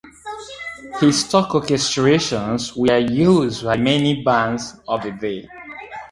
His "stock" orchestrations were in use by many bands of the day.